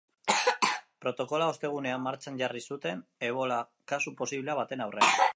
Protokoloa ostegunean martxan jarri zuten ebola kasu posiblea baten aurrean.